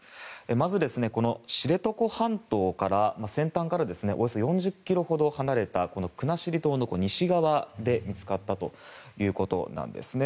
まず、知床半島の先端からおよそ４０ｋｍほど離れた国後島の西側で見つかったということです。